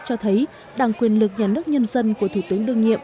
cho thấy đảng quyền lực nhà nước nhân dân của thủ tướng đương nhiệm